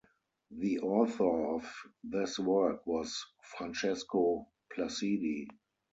The author of this work was Francesco Placidi.